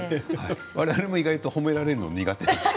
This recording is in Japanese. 我々も意外と褒められるのが苦手なんです。